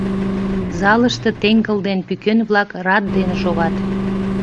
Залыште теҥгыл ден пӱкен-влак рат дене шогат.